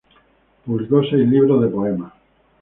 Publicó seis libros de poemas.